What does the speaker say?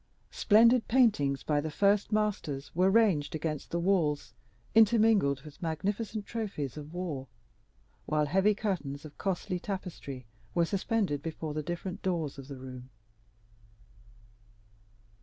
Splendid paintings by the first masters were ranged against the walls, intermingled with magnificent trophies of war, while heavy curtains of costly tapestry were suspended before the different doors of the room.